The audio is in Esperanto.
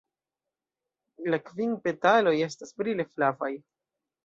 La kvin petaloj estas brile flavaj.